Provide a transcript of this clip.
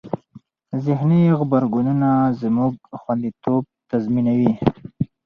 ذهني غبرګونونه زموږ خوندیتوب تضمینوي.